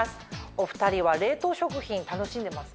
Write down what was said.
お２人は冷凍食品楽しんでますか？